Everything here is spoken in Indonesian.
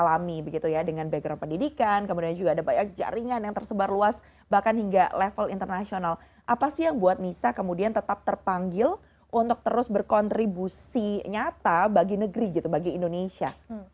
apa kontribusi nyata bagi negeri gitu bagi indonesia